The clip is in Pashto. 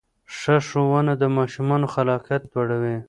ښه ښوونه د ماشومانو خلاقیت لوړوي.